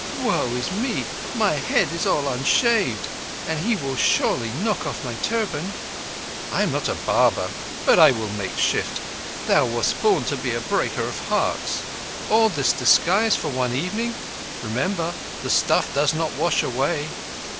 Woe is me, my head is all unshaved! And he will surely knock off my turban." "I am not a barber, but I will make shift. Thou wast born to be a breaker of hearts! All this disguise for one evening? Remember, the stuff does not wash away."